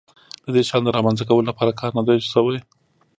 د دې شیانو د رامنځته کولو لپاره کار نه دی شوی.